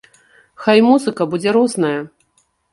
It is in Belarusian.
Хай музыка будзе розная.